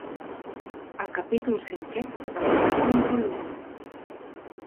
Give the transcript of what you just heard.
El capítol cinquè del segon volum.